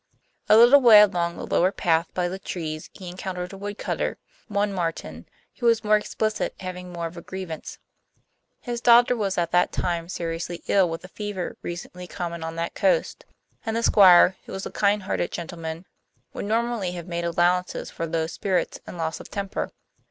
A little way along the lower path by the trees he encountered a woodcutter, one Martin, who was more explicit, having more of a grievance. His daughter was at that time seriously ill with a fever recently common on that coast, and the Squire, who was a kind hearted gentleman, would normally have made allowances for low spirits and loss of temper.